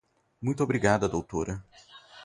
Muito obrigada Doutora.